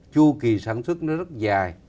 chu kỳ sản xuất nó rất dài